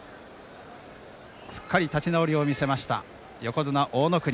すっかり立ち直りを見せました横綱大乃国。